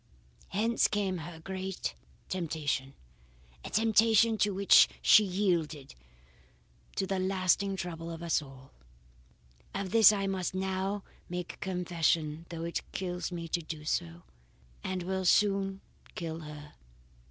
"Hence came her great temptation, a temptation to which she yielded, to the lasting trouble of us all. Of this I must now make confession though it kills me to do so, and will soon kill her.